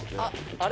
あれ？